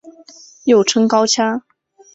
又称高腔。